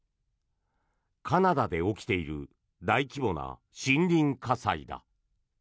カナダで起きている大規模な森林火災だ。